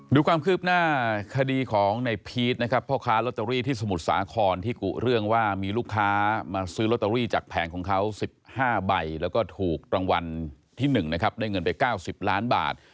ดูความคืบหน้าคดีของในพีชนะครับพ่อค้าลอตเตอรี่ที่สมุทรสาครที่กุเรื่องว่ามีลูกค้ามาซื้อลอตเตอรี่จากแผงของเขา๑๕ใบแล้วก็ถูกรางวัลที่๑นะครับได้เงินไป๙๐ล้านบาท